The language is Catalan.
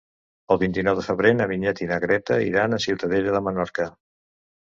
El vint-i-nou de febrer na Vinyet i na Greta iran a Ciutadella de Menorca.